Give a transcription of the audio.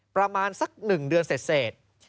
ประมาณสักหนึ่งเดือนเสร็จ